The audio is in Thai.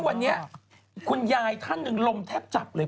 วันนี้คุณยายท่านหนึ่งลมแทบจับเลย